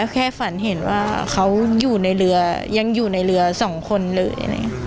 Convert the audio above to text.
แค่ฝันเห็นว่าเขาอยู่ในเรือยังอยู่ในเรือสองคนเลย